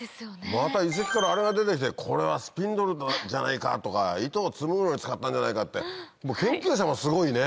また遺跡からあれが出て来てこれはスピンドルじゃないかとか糸を紡ぐのに使ったんじゃないかって研究者もすごいね。